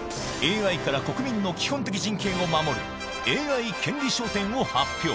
ＡＩから国民の基本的人権を守るＡＩ権利章典を発表